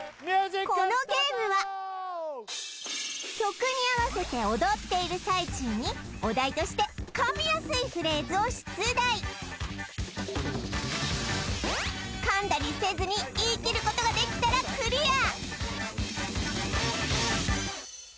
このゲームは曲に合わせて踊っている最中にお題として噛みやすいフレーズを出題噛んだりせずに言い切ることができたらクリア